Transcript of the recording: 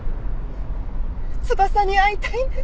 翼に会いたいんです！